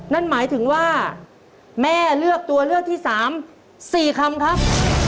นั่นหมายถึงว่าแม่เลือกตัวเลือกที่๓๔คำครับ